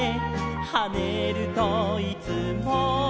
「はねるといつも」